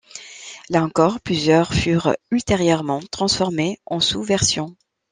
Là encore, plusieurs furent ultérieurement transformés en sous-versions.